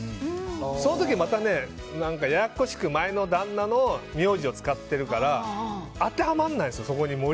その時はまたややこしく前の旦那の名字を使ってるから当てはまらないんですよ、そこに。